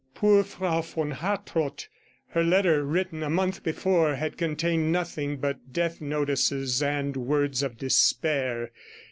Poor Frau von Hartrott! Her letter written a month before, had contained nothing but death notices and words of despair.